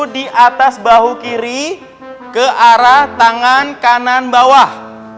di atas bahu kiri ke arah tangan kanan bawah